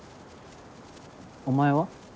お前は？